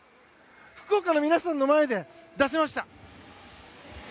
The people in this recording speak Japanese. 福岡の皆さんの前で出せました。